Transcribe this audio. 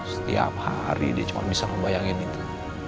setiap hari dia cuma bisa ngebayangin itu